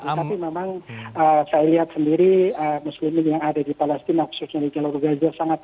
tapi memang saya lihat sendiri muslimin yang ada di palestina khususnya di jalur gaza sangat